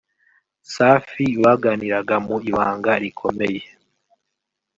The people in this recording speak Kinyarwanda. Safi baganiraga mu ibanga rikomeye